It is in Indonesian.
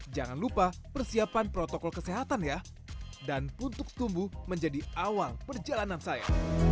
jangan lupa persiapan protokol kesehatan ya dan untuk tumbuh menjadi awal perjalanan saya